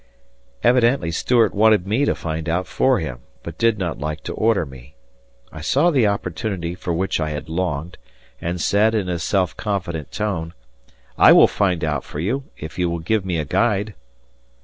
Evidently Stuart wanted me to find out for him, but did not like to order me. I saw the opportunity for which I had longed and said in a self confident tone, "I will find out for you, if you will give me a guide."